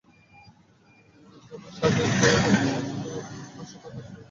যেমন সাজএ ধরনের পোশাকের সঙ্গে পাশ্চাত্য ধাঁচের সাজই মানাবে, বললেন মায়া রহমান।